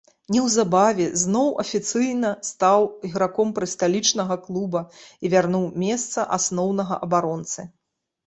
Неўзабаве зноў афіцыйна стаў іграком прысталічнага клуба і вярнуў месца асноўнага абаронцы.